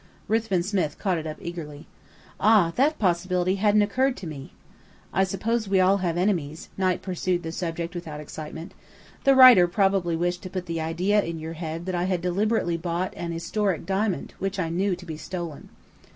Ruthven Smith caught it up, eagerly. "Ah, that possibility hadn't occurred to me." "I suppose we all have enemies." Knight pursued the subject without excitement. "The writer probably wished to put the idea in your head that I had deliberately bought an historic diamond which I knew to be stolen."